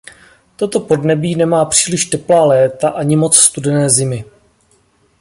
Toto podnebí nemá příliš teplá léta ani moc studené zimy.